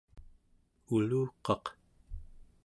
uluqaq